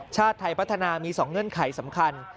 ชาติไทยพัฒนามี๒เงื่อนไขสำคัญ